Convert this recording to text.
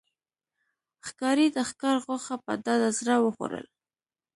ښکاري د ښکار غوښه په ډاډه زړه وخوړل.